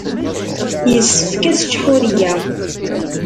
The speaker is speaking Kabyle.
Yessefk ad tečč Ḥuriya.